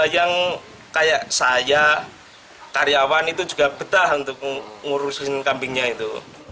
yang kayak saya karyawan itu juga betah untuk ngurusin kambingnya itu